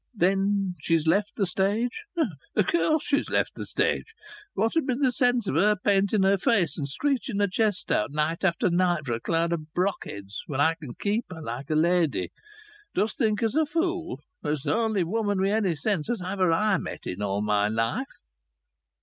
"Then she's left the stage." "Of course she's left th' stage. What 'ud be th' sense o' her painting her face and screeching her chest out night after night for a crowd o' blockheads, when I can keep her like a lady. Dost think her's a fool? Her's the only woman wi' any sense as ever I met in all my life."